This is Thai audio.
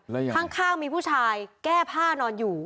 แล้วยังไงข้างมีผู้ชายแก้ผ้านอนอยู่